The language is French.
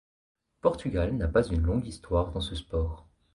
Portugal n'a pas une longue histoire dans ce sport.